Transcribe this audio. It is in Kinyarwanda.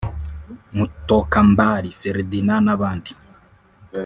Mutokambari Ferdinand n’abandi